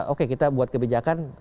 oke kita buat kebijakan